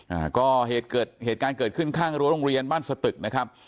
อ่าก็เหตุเกิดเหตุการณ์เกิดขึ้นข้างรั้วโรงเรียนบ้านสตึกนะครับ